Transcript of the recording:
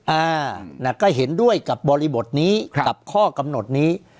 อ่าน่ะก็เห็นด้วยกับบริบทนี้กับข้อกำหนดนี้